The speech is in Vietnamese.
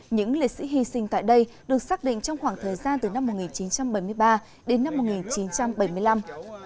những liệt sĩ hy sinh tại đây được xác định trong khoảng thời gian từ năm một nghìn chín trăm bảy mươi ba đến năm một nghìn chín trăm bảy mươi năm